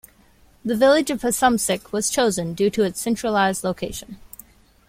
The village of Passumpsic was chosen due to its centralized location.